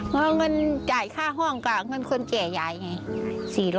แล้วเงินจ่ายค่าห้องก็มันคุณแจ่ยายไง